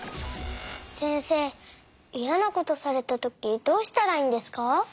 せんせいイヤなことされたときどうしたらいいんですか？